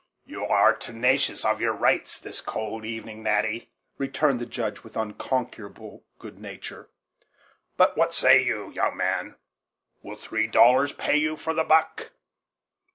"You are tenacious of your rights, this cold evening, Natty," returned the Judge with unconquerable good nature; "but what say you, young man; will three dollars pay you for the buck?"